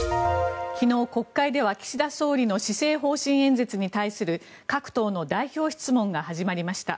昨日、国会では岸田総理の施政方針演説に対する各党の代表質問が始まりました。